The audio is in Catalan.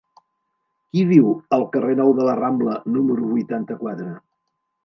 Qui viu al carrer Nou de la Rambla número vuitanta-quatre?